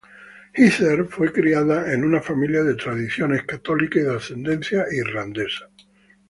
Heather fue criada en una familia de tradiciones católicas y de ascendencia irlandesa.